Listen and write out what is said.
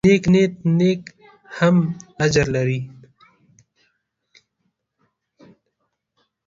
د نیک نیت نیت هم اجر لري.